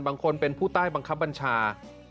บางคนเป็นผู้ใต้บังคับบัญชา